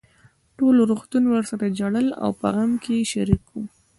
ټول روغتون ورسره ژړل او په غم کې يې شريک وو.